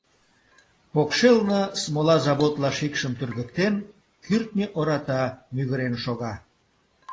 Покшелне, смола заводла шикшым тӱргыктен, кӱртньӧ ората мӱгырен шога.